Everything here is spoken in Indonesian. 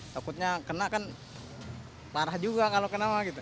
takutnya kena kan parah juga kalau kena gitu